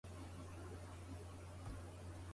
イェーイ君を好きで良かった